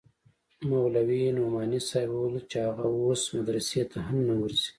مولوي نعماني صاحب وويل چې هغه اوس مدرسې ته هم نه ورځي.